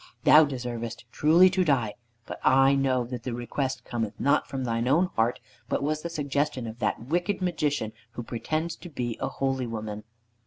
Thou deservest truly to die; but I know that the request cometh not from thine own heart, but was the suggestion of that wicked Magician who pretends to be a holy woman."